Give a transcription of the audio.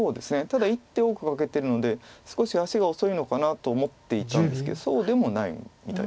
ただ１手多くかけてるので少し足が遅いのかなと思っていたんですけどそうでもないみたいです。